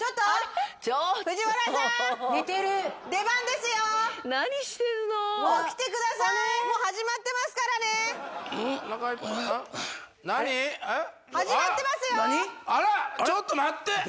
あらっちょっと待って！